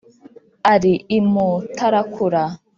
ari i mutarakura.